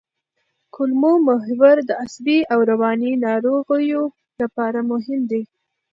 کولمو محور د عصبي او رواني ناروغیو لپاره مهم دی.